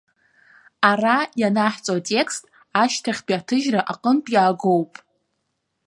Ара ианаҳҵо атекст ашьҭахьтәи аҭыжьра аҟнытә иаагоуп.